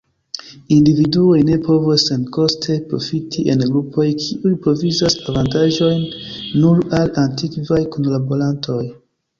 Individuoj ne povos senkoste profiti en grupoj, kiuj provizas avantaĝojn nur al aktivaj kunlaborantoj.